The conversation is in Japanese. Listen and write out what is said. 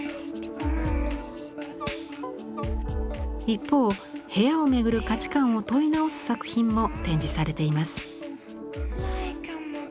一方部屋をめぐる価値観を問い直す作品も展示されています。